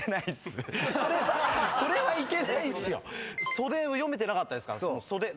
袖読めてなかったですから。